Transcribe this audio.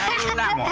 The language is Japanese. もう。